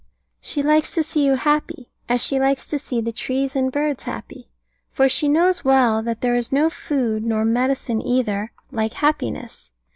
She likes to see you happy, as she likes to see the trees and birds happy. For she knows well that there is no food, nor medicine either, like happiness.